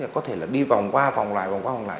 có thể là đi vòng qua vòng loại vòng qua vòng lại